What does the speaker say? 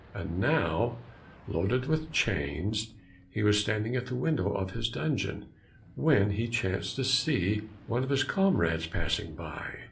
And now loaded with chains, he was standing at the window of his dungeon, when he chanced to see one of his comrades passing by.